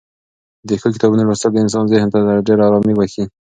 د ښو کتابونو لوستل د انسان ذهن ته ډېره ارامي بښي.